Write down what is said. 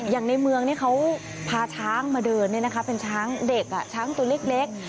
อย่างในเมืองเขาพาช้างมาเดินเป็นช้างเด็กช้างตัวเล็ก